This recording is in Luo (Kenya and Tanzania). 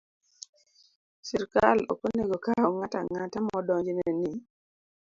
Sirkal ok onego okaw ng'ato ang'ata ma odonjne ni